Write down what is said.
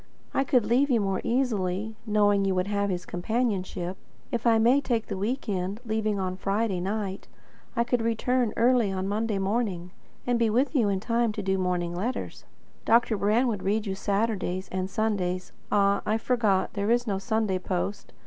I could leave you more easily, knowing you would have his companionship. If I may take the week end, leaving on Friday night, I could return early on Monday morning, and be with you in time to do the morning letters. Dr. Brand would read you Saturday's and Sunday's Ah, I forgot; there is no Sunday post.